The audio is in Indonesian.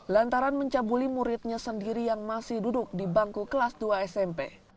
lantaran mencabuli muridnya sendiri yang masih duduk di bangku kelas dua smp